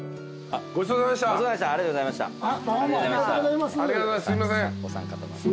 ありがとうございます。